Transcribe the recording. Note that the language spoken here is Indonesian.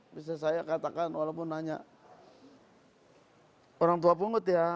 bisa saya katakan walaupun hanya orang tua pungut ya